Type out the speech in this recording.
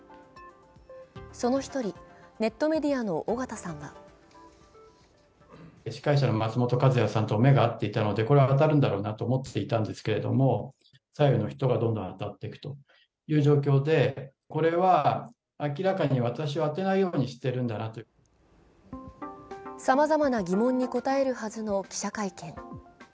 その１人、ネットメディアの尾形さんはさまざまな疑問に答えるはずの記者会見